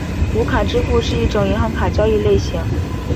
无卡支付是一种银行卡交易类型。